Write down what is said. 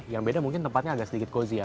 yang beda mungkin tempatnya agak sedikit cozy ya